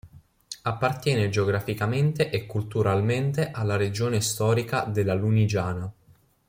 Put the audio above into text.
Appartiene geograficamente e culturalmente alla regione storica della Lunigiana.